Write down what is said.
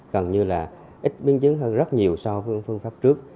gần như là ít biến chứng hơn rất nhiều so với phương pháp trước